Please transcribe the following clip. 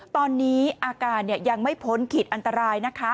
ตอนนี้อาการยังไม่พ้นขีดอันตรายนะคะ